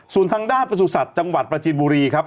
ส่วนทางด้านประสุทธิ์จังหวัดประจีนบุรีครับ